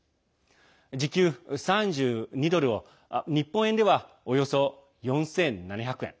時給３２ドルは日本円では、およそ４７００円。